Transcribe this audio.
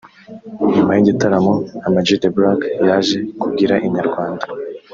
nyuma y'igitaramo Ama G The Black yaje kubwira Inyarwanda